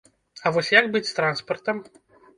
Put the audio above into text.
А вось як быць з транспартам?